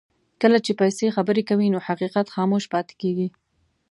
کله چې پیسې خبرې کوي نو حقیقت خاموش پاتې کېږي.